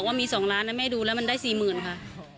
ว่ามี๒ล้านนะแม่ดูแล้วมันได้๔๐๐๐ค่ะ